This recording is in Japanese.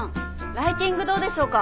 ライティングどうでしょうか？